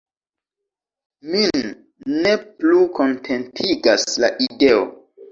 Min ne plu kontentigas la ideo!